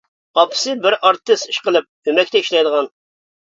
ئاپىسى بىر ئارتىس ئىشقىلىپ، ئۆمەكتە ئىشلەيدىغان.